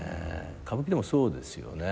歌舞伎でもそうですよね。